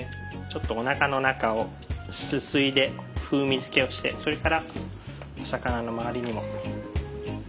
ちょっとおなかの中をすすいで風味づけをしてそれからお魚の周りにも。